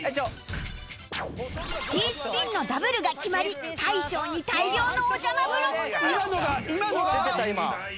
Ｔ スピンのダブルが決まり大昇に大量のおじゃまブロック